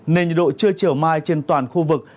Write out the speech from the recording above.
nên nhiệt độ trưa chiều mai trên toàn khu vực